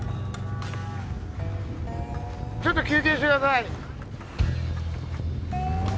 ちょっと休憩して下さい。